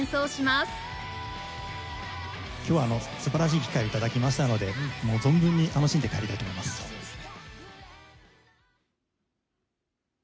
今日は素晴らしい機会を頂きましたので存分に楽しんで帰りたいと思います。